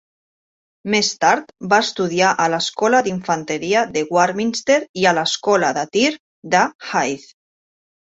Més tard, va estudiar a l'escola d'infanteria de Warminster i a l'escola de tir de Hythe.